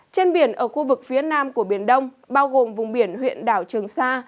trên biển ở khu vực phía nam của biển đông bao gồm vùng biển huyện đảo trường sa